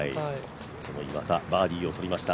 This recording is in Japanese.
その岩田、バーディーを取りました。